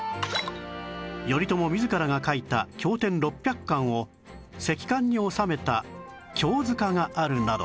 頼朝自らが書いた経典６００巻を石棺に納めた経塚があるなど